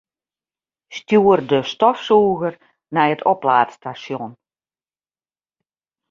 Stjoer de stofsûger nei it oplaadstasjon.